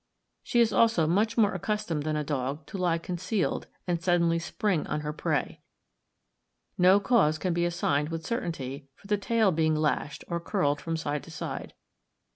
She is also much more accustomed than a dog to lie concealed and suddenly spring on her prey. No cause can be assigned with certainty for the tail being lashed or curled from side to side.